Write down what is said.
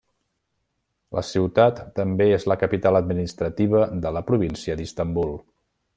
La ciutat també és la capital administrativa de la província d'Istanbul.